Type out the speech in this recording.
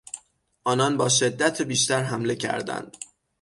آنان با شدت بیشتر حمله کردند.